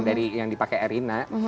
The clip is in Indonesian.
dari yang dipakai erina